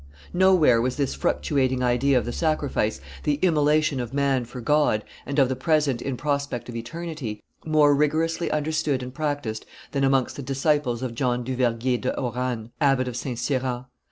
Nowhere was this fructuating idea of the sacrifice, the immolation of man for God and of the present in prospect of eternity, more rigorously understood and practised than amongst the disciples of John du Vergier de Hauranne, Abbot of St. Cyran.